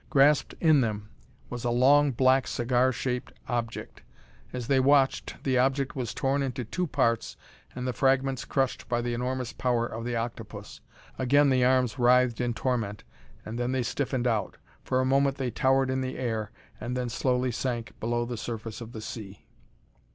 Grasped in them was a long, black, cigar shaped object. As they watched the object was torn into two parts and the fragments crushed by the enormous power of the octopus. Again the arms writhed in torment, and then they stiffened out. For a moment they towered in the air and then slowly sank below the surface of the sea.